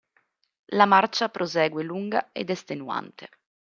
La marcia prosegue lunga ed estenuante.